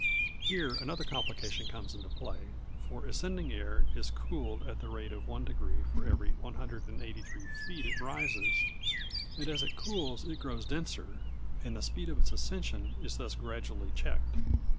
Here another complication comes into play, for ascending air is cooled at the rate of one degree for every 183 feet it rises; and as it cools it grows denser, and the speed of its ascension is thus gradually checked.